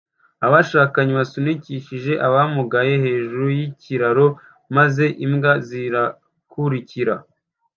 Abashakanye basunikishije abamugaye hejuru yikiraro maze imbwa zirakurikira